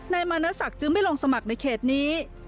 มาณศักดิ์จึงไม่ลงสมัครในเขตนี้